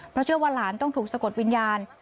เพราะเชื่อว่าหลานต้องถูกสะกดวิญญาณ